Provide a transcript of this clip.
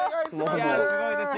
いやすごいですよ